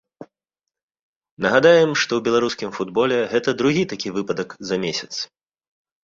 Нагадаем, што ў беларускім футболе гэта другі такі выпадак за месяц.